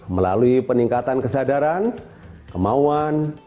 melalui peningkatan kesadaran kemauan dan kemampuan